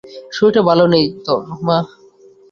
শরীরটা ভালো নেই তোর, মা।